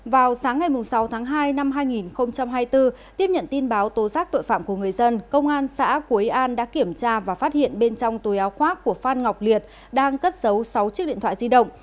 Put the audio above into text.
vào sáng ngày sáu tháng hai năm hai nghìn hai mươi bốn tiếp nhận tin báo tố giác tội phạm của người dân công an xã quế an đã kiểm tra và phát hiện bên trong tối áo khoác của phan ngọc liệt đang cất giấu sáu chiếc điện thoại di động